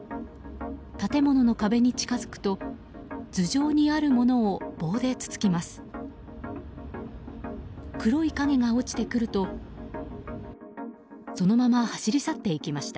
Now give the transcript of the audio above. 建物の壁に近づくと頭上にあるものを棒でつつきます。